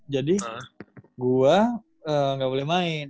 jadi gua gak boleh main